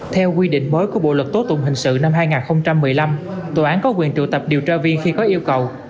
theo quy định mới của bộ luật tố tụng hình sự năm hai nghìn một mươi năm tòa án có quyền trụ tập điều tra viên khi có yêu cầu